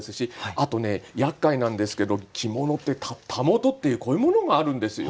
あとねやっかいなんですけど着物ってたもとっていうこういうものがあるんですよ。